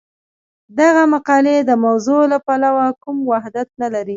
دغه مقالې د موضوع له پلوه کوم وحدت نه لري.